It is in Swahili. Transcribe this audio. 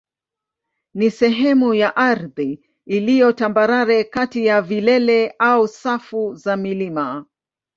ni sehemu ya ardhi iliyo tambarare kati ya vilele au safu za milima.